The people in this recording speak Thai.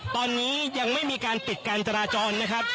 ตอนนี้ยังไม่มีการปิดการจราจรนะครับ